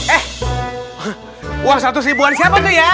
eh uang seratus ribuan siapa tuh ya